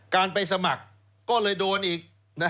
การไปสมัครก็เลยโดนอีก